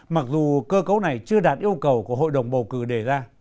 mặc dù cơ cấu này chưa đạt yêu cầu của hội đồng bầu cử đề ra